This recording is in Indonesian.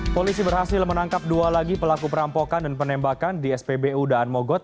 polisi berhasil menangkap dua lagi pelaku perampokan dan penembakan di spbu daan mogot